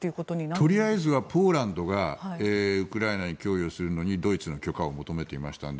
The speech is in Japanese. とりあえずはポーランドがウクライナに供与するのにドイツの許可を求めていましたので